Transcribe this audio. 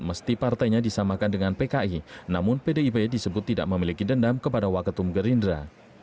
mesti partainya disamakan dengan pki namun pdip disebut tidak memiliki dendam kepada waketum gerindra